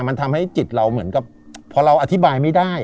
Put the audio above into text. มันทำให้จิตเราเหมือนกับพอเราอธิบายไม่ได้